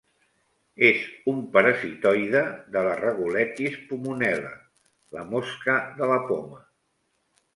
És un parasitoide de la "Rhagoletis pomonella", la mosca de la poma.